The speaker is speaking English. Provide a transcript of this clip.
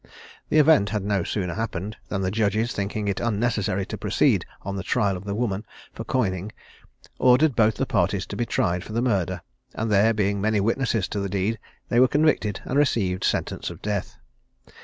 The event had no sooner happened, than the judges, thinking it unnecessary to proceed on the trial of the woman for coining, ordered both the parties to be tried for the murder; and there being many witnesses to the deed, they were convicted, and received sentence of death.